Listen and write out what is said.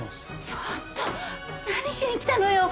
ちょっと何しに来たのよ？